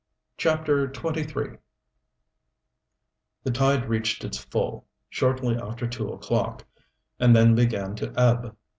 CHAPTER XXIII The tide reached its full, shortly after two o'clock, and then began to ebb.